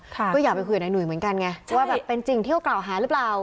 ก็อยากไปคุยกับนายหนุ่ยเหมือนกันไงว่าแบบเป็นจริงที่เขากล่าวหาหรือเปล่า